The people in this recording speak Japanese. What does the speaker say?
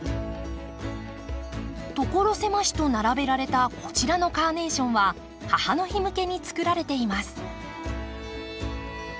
所狭しと並べられたこちらのカーネーションは母の日向けにつくられています。